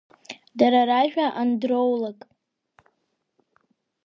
Дара ражәа андроулак…